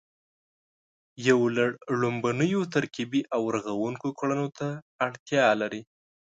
یو لړ ړومبنیو ترکیبي او رغوونکو کړنو ته اړتیا لري